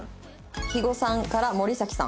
肥後さんから森咲さん。